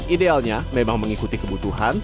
idealnya memang mengikuti kebutuhan